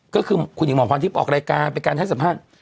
ก็คือคุณหญิงหมอพรทิพย์ออกรายการเป็นการให้สัมภาษณ์